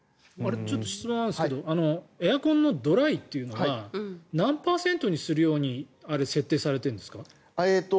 ちょっと質問ですがエアコンのドライというのは何パーセントにするように設定されているんですか？